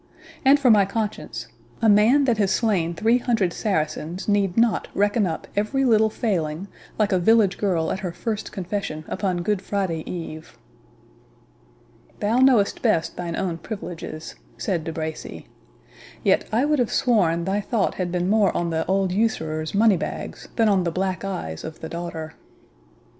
And for my conscience, a man that has slain three hundred Saracens, need not reckon up every little failing, like a village girl at her first confession upon Good Friday eve." "Thou knowest best thine own privileges," said De Bracy. "Yet, I would have sworn thy thought had been more on the old usurer's money bags, than on the black eyes of the daughter."